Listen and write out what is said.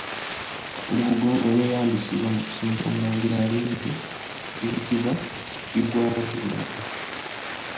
Olubugo olweyambisibwa mu kusumika Omulangira alinze luyitibwa Bigwawotebiraga.